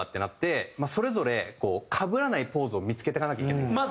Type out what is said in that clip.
それぞれかぶらないポーズを見付けていかなきゃいけないんですよ。